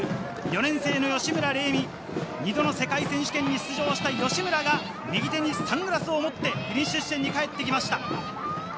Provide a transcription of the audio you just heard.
４年生の吉村、２度の世界選手権に出場した吉村が右手にサングラスを持ってフィニッシュ地点に帰ってきました。